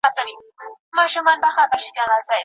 دې سړي د هماغو حساسیتونو څخه په ګټې اخیستنې ځان وژغوره.